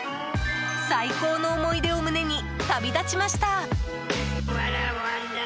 最高の思い出を胸に旅立ちました。